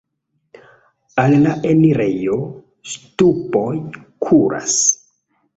Al la enirejo ŝtupoj kuras.